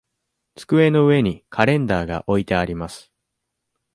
机の上にカレンダーが置いてあります。